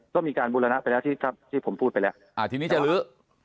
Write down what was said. ก็มีการบูรณะไปแล้วที่ผมพูดไปแล้วทีนี้จะลื้อ